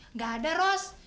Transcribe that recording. nggak ada ros